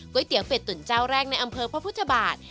เตี๋ยวเป็ดตุ่นเจ้าแรกในอำเภอพระพุทธบาท